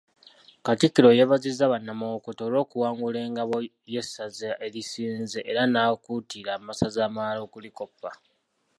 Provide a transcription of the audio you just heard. Katikkiro yeebazizza bannamawokota olw'okuwangula engabo y'essaza erisinze era n'akuutira amasaza amalala okulikoppa.